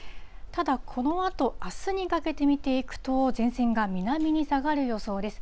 ただ、このあと、あすにかけて見ていくと、前線が南に下がる予想です。